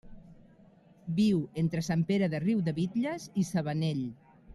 Viu entre Sant Pere de Riudebitlles i Sabanell.